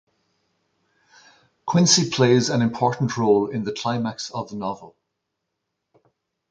Quincey plays an important role in the climax of the novel.